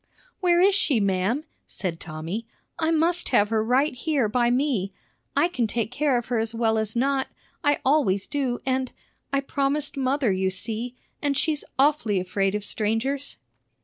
"Where is she, ma'am?" said Tommy. "I must have her right here by me. I can take care of her as well as not; I always do; and I promised mother, you see; and she's awfully afraid of strangers."